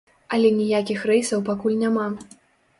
Але ніякіх рэйсаў пакуль няма.